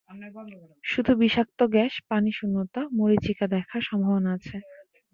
শুধু বিষাক্ত গ্যাস, পানিশূন্যতা, মরিচীকা দেখার সম্ভাবনা আছে।